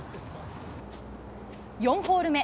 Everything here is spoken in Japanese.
４ホール目。